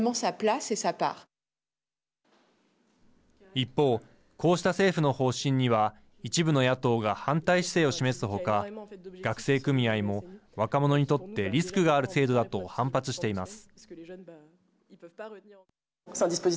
一方、こうした政府の方針には一部の野党が反対姿勢を示す他学生組合も若者にとってリスクがある制度だと反発しています。